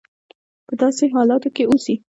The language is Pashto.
په داسې حالاتو کې اوسي.